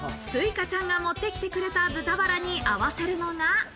翠花ちゃんが持ってきてくれた豚バラに合わせるのが。